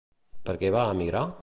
Per què va emigrar?